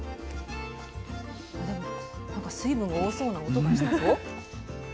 でもなんか水分が多そうな音がしたぞ。